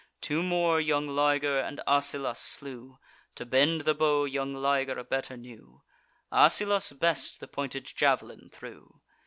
Two more young Liger and Asylas slew: To bend the bow young Liger better knew; Asylas best the pointed jav'lin threw.